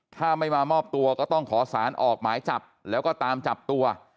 ถ้าไม่มามอบตัวก็ต้องขอสารออกหมายจับแล้วก็ตามจับตัว